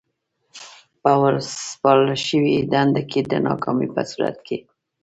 په ورسپارل شوې دنده کې د ناکامۍ په صورت کې.